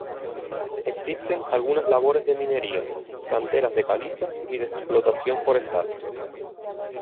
Existen algunas labores de minería, canteras de caliza y de explotación forestal.